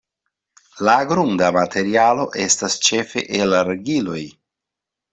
La grunda materialo estas ĉefe el argiloj.